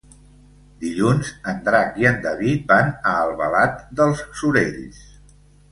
Dilluns en Drac i en David van a Albalat dels Sorells.